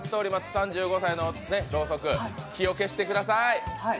３５歳のろうそく、火を消してください。